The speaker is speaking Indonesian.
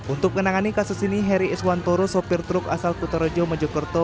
untuk menangani kasus ini harry iswantoro sopir truk asal kutarajo mejokerto